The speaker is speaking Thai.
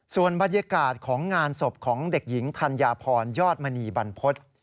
ส่วนบรรยากาศของงานศพของเด็กหญิงธัญญาพรยอดมณีบรรพฤษ